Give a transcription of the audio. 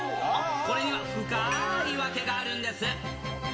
これには深ーい訳があるんです。